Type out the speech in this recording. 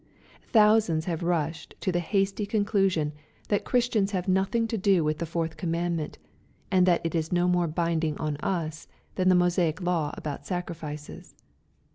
Thousands have rushed to the hasty con clusion, that Christians have nothing to do with the fourth commandment, and that it is no more binding on us than the Mosaic law about sacrifices.